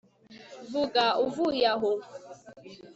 vuga uvuye aho